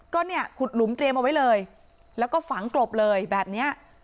ก็เนี่ยขุดหลุมเตรียมเอาไว้เลยแล้วก็ฝังกลบเลยแบบเนี้ย